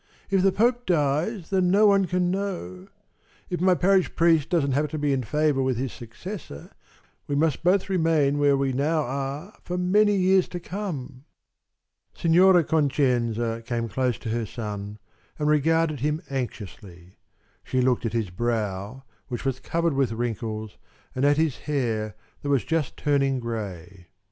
"If the Pope dies, then no one can know If my parish priest doesn't happen to be in favor with his successor, we must both remain where we now are for many years to come." Signora Concenza came close to her son and regarded him anxiously. She looked at his brow, which was covered with wrinkles, and at his hair that was just turning gray.